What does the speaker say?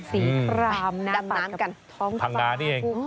กับน้ำกัน